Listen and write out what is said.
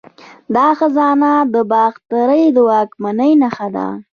دا خزانه د باختري واکمنۍ نښه ده